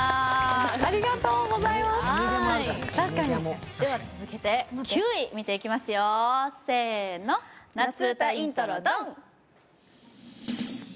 ありがとうございますでは続けて９位見ていきますよせーの夏うたイントロＤＯＮ！